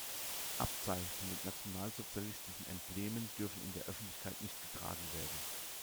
Abzeichen mit nationalsozialistischen Emblemen dürfen in der Öffentlichkeit nicht getragen werden.